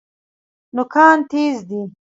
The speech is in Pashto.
نوکان تیز دي.